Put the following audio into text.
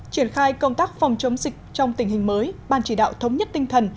triển khai công tác phòng chống dịch trong tình hình mới ban chỉ đạo thống nhất tinh thần